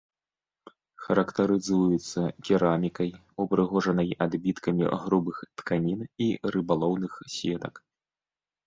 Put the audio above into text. Характарызуюцца керамікай, упрыгожанай адбіткамі грубых тканін і рыбалоўных сетак.